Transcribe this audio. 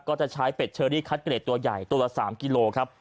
ก็จะใช้เป็ดเชอรี่คัดเกรดตัวใหญ่ตัวละ๓กิโลครับ